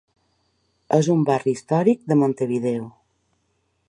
És un barri històric de Montevideo.